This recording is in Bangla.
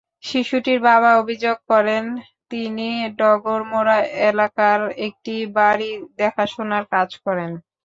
শিশুটির বাবা অভিযোগ করেন, তিনি ডগরমোড়া এলাকার একটি বাড়ি দেখাশোনার কাজ করেন।